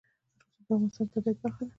رسوب د افغانستان د طبیعت برخه ده.